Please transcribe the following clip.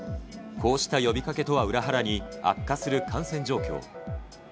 こうした呼びかけとは裏腹に悪化する感染状況。